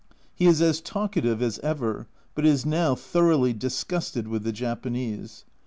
He is as talkative as ever, but is now thoroughly disgusted with the Japanese.